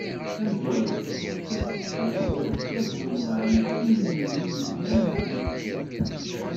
Tamezwarut, taseddast d tagruma n tnummiwin yellan deg tmetti.